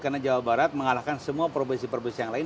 karena jawa barat mengalahkan semua provinsi provinsi yang lain